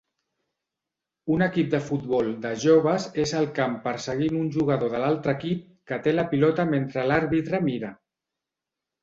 Un equip de futbol de joves és al camp perseguint un jugador de l'altre equip que té la pilota mentre l'àrbitre mira.